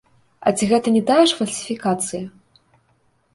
А ці гэта не тая ж фальсіфікацыя?